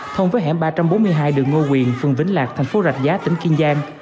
thông với hẻm ba trăm bốn mươi hai đường ngô quyền phường vĩnh lạc thành phố rạch giá tỉnh kiên giang